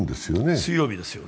水曜日ですよね。